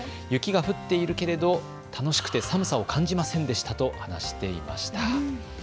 雪が降っているけれど楽しくて寒さを感じませんでしたと話していました。